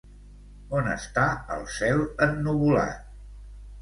On està el cel ennuvolat?